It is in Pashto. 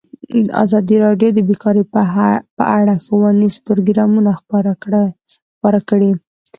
ازادي راډیو د بیکاري په اړه ښوونیز پروګرامونه خپاره کړي.